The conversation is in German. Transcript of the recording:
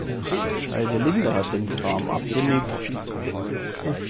Heidelinde hat den Kram abgenickt.